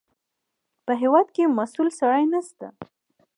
په هېواد کې مسوول سړی نشته.